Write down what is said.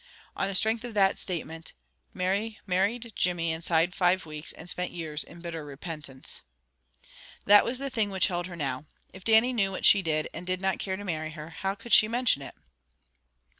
On the strength of that statement Mary married Jimmy inside five weeks, and spent years in bitter repentance. That was the thing which held her now. If Dannie knew what she did, and did not care to marry her, how could she mention it?